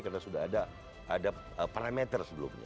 karena ada parameter sebelumnya